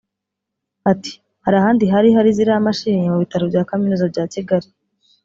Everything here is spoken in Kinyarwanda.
Ati”Hari ahandi hari hari ziriya mashini mu Bitaro bya Kaminuza bya Kigali